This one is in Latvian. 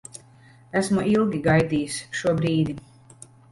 Esmu ilgi gaidījis šo brīdi.